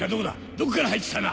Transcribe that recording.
どこから入ってきたんだ！